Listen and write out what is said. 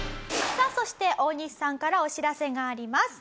さあそして大西さんからお知らせがあります。